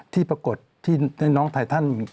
ที่ปรากฏที่น้องไตตัน